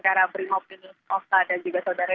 karena berimau penuh osta dan juga saudara